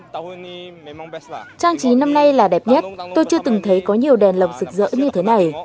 trang trí năm nay là đẹp nhất tôi chưa từng thấy có nhiều đèn lồng rực rỡ như thế này